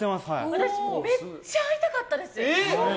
私、めっちゃ会いたかったです。